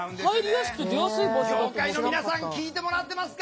業界の皆さん聞いてもらってますか？